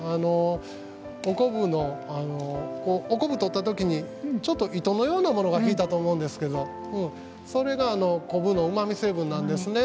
お昆布のお昆布取った時にちょっと糸のようなものが引いたと思うんですけどそれが昆布のうまみ成分なんですね。